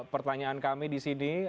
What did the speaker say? pertanyaan kami di sini